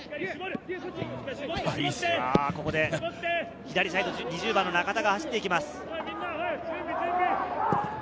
左サイド、２０番の中田が走っていきます。